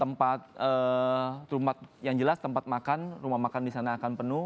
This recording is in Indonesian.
tempat yang jelas tempat makan rumah makan di sana akan penuh